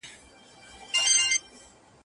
زما له زخمي کابله ویني څاڅي